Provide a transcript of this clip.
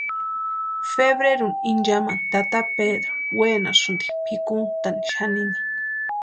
Febreruni inchamani tata Pedró wenasïnti pʼikuntani xanini.